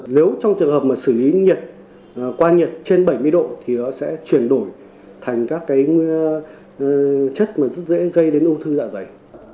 nếu trong trường hợp mà xử lý qua nhiệt trên bảy mươi độ thì nó sẽ chuyển đổi thành các chất rất dễ gây đến ưu thư dạ dày